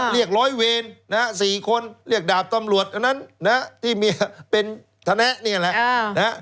เรียกร้อยเวร๔คนเรียกดาบตำรวจอันนั้นที่เมียเป็นธนะนี่แหละ